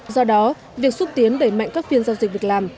do đó việc xúc tiến đẩy mạnh các phiên giao dịch việc làm